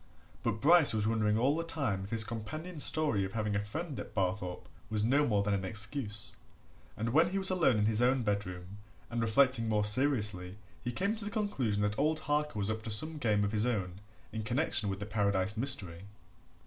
But Bryce was wondering all the time if his companion's story of having a friend at Barthorpe was no more than an excuse, and when he was alone in his own bedroom and reflecting more seriously he came to the conclusion that old Harker was up to some game of his own in connection with the Paradise mystery.